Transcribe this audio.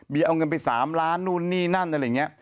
เอาเงินไป๓ล้านนู่นนี่นั่นอะไรอย่างนี้